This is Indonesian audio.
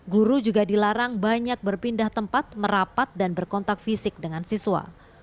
guru juga dilarang banyak berpindah tempat merapat dan berkontak fisik dengan siswa